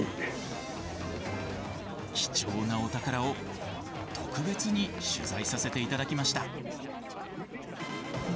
貴重なお宝を特別に取材させて頂きました。